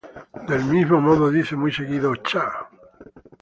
Del mismo modo, dice muy seguido "¡Cha!